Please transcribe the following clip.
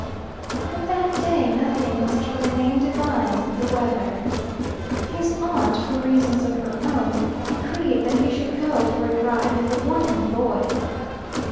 But that day nothing was to remain divine but the weather. His aunt, for reasons of her own, decreed that he should go for a ride with the Wonham boy.